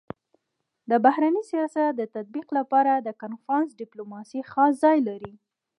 د بهرني سیاست د تطبيق لپاره د کنفرانس ډيپلوماسي خاص ځای لري.